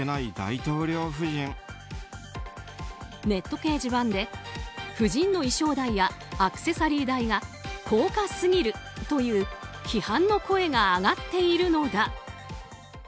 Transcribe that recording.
ネット掲示板で夫人の衣装代やアクセサリー代が高価すぎるという批判の声が上がっているのだ。